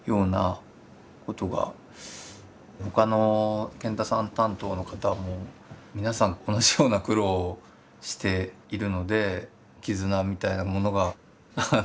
他の賢太さん担当の方も皆さん同じような苦労をしているので絆みたいなものが。